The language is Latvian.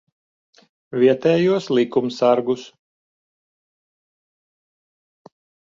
Vietējos likumsargus.